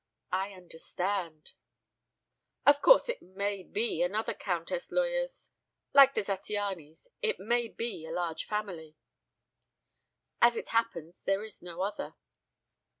"I understand." "Of course, it may be another Countess Loyos. Like the Zattianys, it may be a large family." "As it happens there is no other."